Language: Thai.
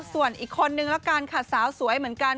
ส่วนอีกคนนึงละกันค่ะสาวสวยเหมือนกัน